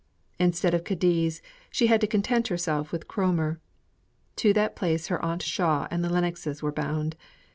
Instead of Cadiz, she had to content herself with Cromer. To that place her aunt Shaw and the Lennoxes were bound.